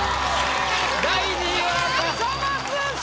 第２位は笠松将！